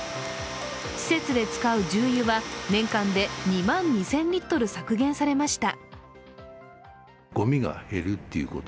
施設で使う重油は年間で２万２０００リットル削減されました。